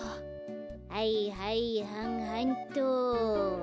はいはいはんはんっと。